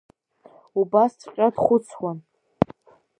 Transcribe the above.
Убасҵәҟьа дхәыцуан.